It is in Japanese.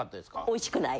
おいしくない。